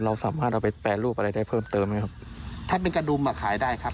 เราสามารถเอาไปแปรรูปอะไรได้เพิ่มเติมไหมครับถ้าเป็นกระดุมอ่ะขายได้ครับ